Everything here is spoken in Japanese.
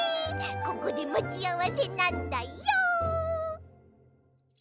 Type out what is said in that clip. ここでまちあわせなんだよ。